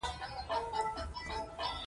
ځکه چې هغوی ستا د روح ماشومان او اولادونه دي.